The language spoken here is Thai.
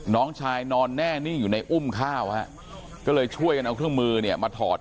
น้องชายนอนแน่นิ่งอยู่ในอุ้มข้าวฮะก็เลยช่วยกันเอาเครื่องมือเนี่ยมาถอด